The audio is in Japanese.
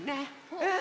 うん！